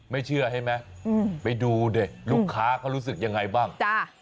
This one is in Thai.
ไม่เชื่อใช่ไหมไปดูดิลูกค้าเขารู้สึกยังไงบ้าง